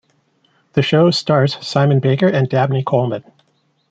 The show stars Simon Baker and Dabney Coleman.